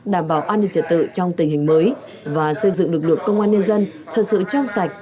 đảm bảo an ninh trật tự trong tình hình mới và xây dựng lực lượng công an nhân dân thật sự trong sạch